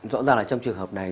rõ ràng là trong trường hợp này